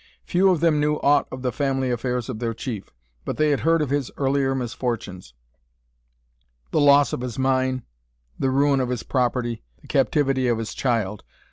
Few of them knew aught of the family affairs of their chief, but they had heard of his earlier misfortunes: the loss of his mine, the ruin of his property, the captivity of his child.